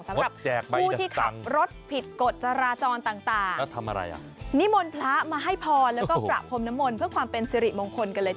สำหรับผู้ที่ขับรถผิดกดจราจรต่าง